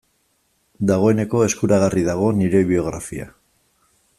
Dagoeneko eskuragarri dago nire biografia.